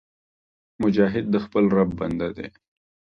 مجاهد د خپل رب بنده دی